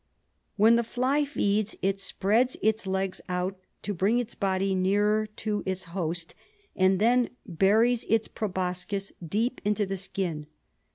When the fly feeds it spreads its legs out to bring its body nearer to its host, and then buries its proboscis deep into the skin.